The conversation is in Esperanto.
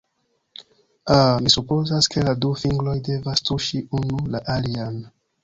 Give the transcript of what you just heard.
Ah, mi supozas ke la du fingroj devas tuŝi unu la alian.